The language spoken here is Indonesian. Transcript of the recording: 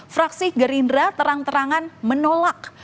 fraksi gerindra terang terangan menolak